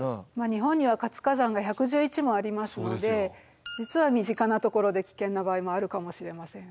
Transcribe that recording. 日本には活火山が１１１もありますので実は身近なところで危険な場合もあるかもしれません。